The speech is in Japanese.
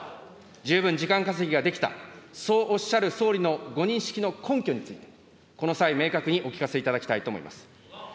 十分時間稼ぎができた、そうおっしゃる総理のご認識の根拠について、この際、明確にお聞かせいただきたいと思います。